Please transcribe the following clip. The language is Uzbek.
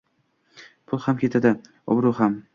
Pul ham ketadi, obroʻ ham..